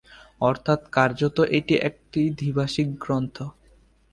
অর্থ্যাৎ কার্যত এটি একটি দ্বিভাষিক গ্রন্থ।